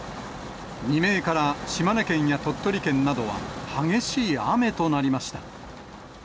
未明から島根県や鳥取県などは激しい雨となりました。